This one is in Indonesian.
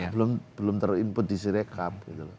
belum ter input di si rekap